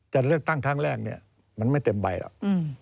จัดเลือกตั้งครั้งแรกมันไม่เต็มใบแล้ว